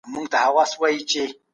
دا سفر اسانه نه و.